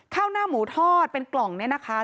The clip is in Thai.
ข้าวหน้าหมูทอดเป็นกล่องเนี่ยนะคะ